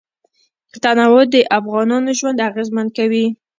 تنوع د افغانانو ژوند اغېزمن کوي.